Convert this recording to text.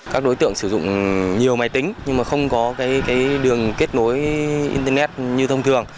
các đối tượng sử dụng nhiều máy tính nhưng mà không có đường kết nối internet như thông thường